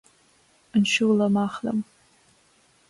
An siúlfá amach liom?